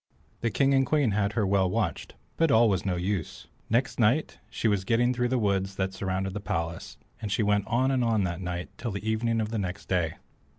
The King and Queen had her well watched, but all was no use. Next night she was getting through the woods that surrounded the palace, and she went on and on that night, and till the evening of next day.